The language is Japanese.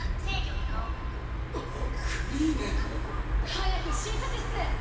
早く診察室へ！